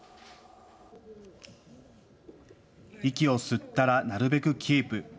息を吸ったらなるべくキープ。